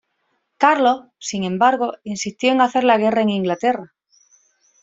Carlos, sin embargo, insistió en hacer la guerra en Inglaterra.